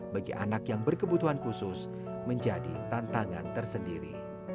bagi anak yang berkebutuhan khusus menjadi tantangan tersendiri